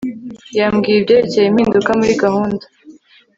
yambwiye ibyerekeye impinduka muri gahunda